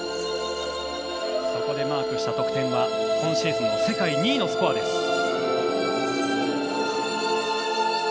そこでマークした得点は今シーズン世界２位のスコアです。